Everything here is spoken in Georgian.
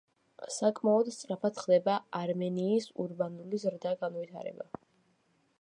საკმაოდ სწრაფად ხდება არმენიის ურბანული ზრდა-განვითარება.